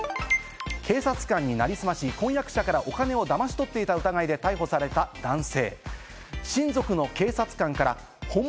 警察官になりすまし、婚約者からお金をだまし取っていた疑いで逮捕された男性。